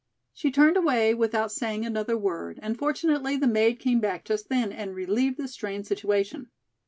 She turned away without saying another word, and fortunately the maid came back just then and relieved the strained situation.